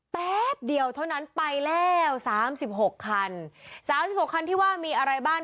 แป๊บเดียวเท่านั้นไปแล้วสามสิบหกคันสามสิบหกคันที่ว่ามีอะไรบ้าง